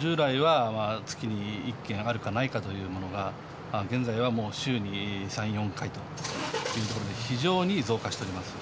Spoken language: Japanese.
従来は月に１件あるかないかというものが、現在はもう週に３、４回というところで、非常に増加しております。